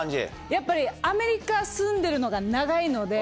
やっぱりアメリカ住んでるのが長いので。